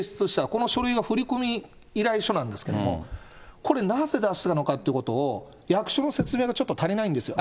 この書類は振込依頼書なんですけども、これ、なぜ出したのかっていうことを、役所の説明がちょっと足りないんですよ。